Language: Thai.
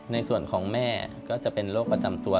ในส่วนของแม่ก็จะเป็นโรคประจำตัว